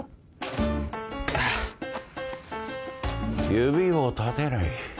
指を立てない。